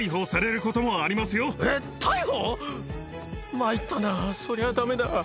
参ったなそりゃダメだ。